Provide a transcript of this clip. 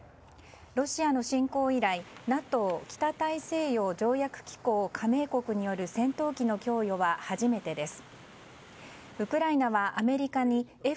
ロシアの侵攻以来、ＮＡＴＯ・北大西洋条約機構加盟国による戦闘機の供与は初めてです。